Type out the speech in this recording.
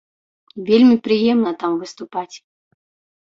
Вельмі прыемна там выступаць.